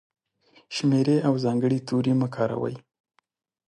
شمېرې او ځانګړي توري مه کاروئ!.